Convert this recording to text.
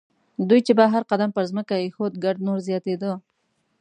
دوی چې به هر قدم پر ځمکه اېښود ګرد نور زیاتېده.